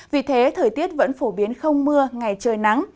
vì thế thời tiết vẫn phổ biến không mưa ngày trời nắng